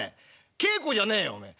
稽古じゃねえよおめえ。